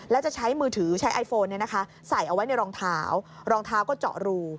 แล้วจะใช้มือถือใช้ไอโฟนใส่เอาไว้ในรองเท้ารองเท้าก็เจาะรู